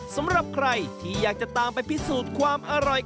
สำหรับใครที่อยากจะตามไปพิสูจน์ความอร่อย